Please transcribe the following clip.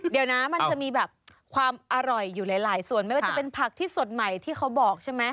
เดี๋ยวนะมันจะมีแบบความอร่อยอยู่หลายส่วนไม่ว่าจะเป็นผักที่สดใหม่ที่เขาบอกใช่ไหม